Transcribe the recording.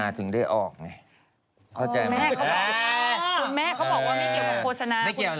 ไม่เกี่ยวเหรอครูแพช่าเค้าเคยออกมาพูดว่าก็ไม่เกี่ยว